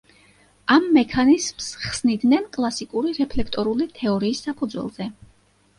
ამ მექანიზმს ხსნიდნენ კლასიკური რეფლექტორული თეორიის საფუძველზე.